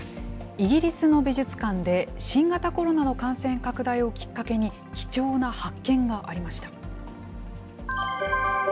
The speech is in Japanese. イギリスの美術館で、新型コロナの感染拡大をきっかけに、貴重な発見がありました。